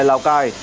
tại lào cai